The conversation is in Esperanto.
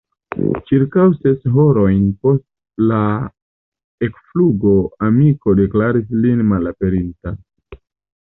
Ĉirkaŭ ses horojn post la ekflugo amiko deklaris lin malaperinta.